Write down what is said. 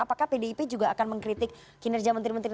apakah pdip juga akan mengkritik kinerja menteri menteri